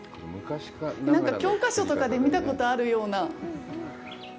なんか教科書とかで見たことがあるような。